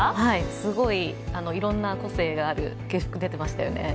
すごいいろんな個性がある、給食出ていましたよね。